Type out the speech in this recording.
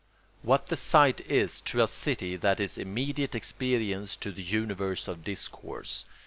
What the site is to a city that is immediate experience to the universe of discourse.